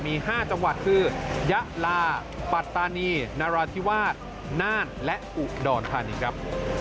มี๕จังหวัดคือยะลาปัตตานีนราธิวาสน่านและอุดรธานีครับ